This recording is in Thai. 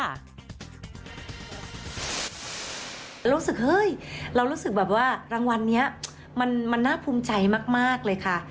รู้สึกเฮ้ยเรารู้สึกแบบว่ารางวัลนี้มันน่าภูมิใจมากเลยค่ะ